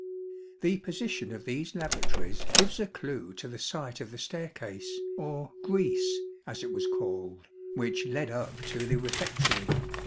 The position of these lavatories gives a clue to the site of the staircase, or " grease," as it was called, which led up to the refectory.